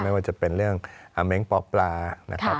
ไม่ว่าจะเป็นเรื่องอาเม้งป๊อปปลานะครับ